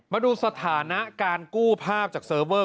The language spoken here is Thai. มาดูสถานะการกู้ภาพจากเซิร์ฟเวอร์